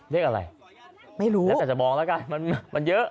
เลขอะไรไม่รู้แล้วแต่จะมองแล้วกันมันเยอะ